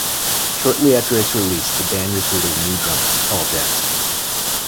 Shortly after its release the band recruited a new drummer, Paul Jackson.